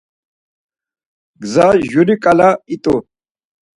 Gza juri ǩale it̆u.